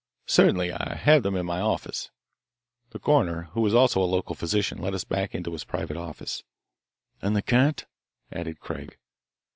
"Certainly. I have them in my office." The coroner, who was also a local physician, led us back into his private office. "And the cat?" added Craig.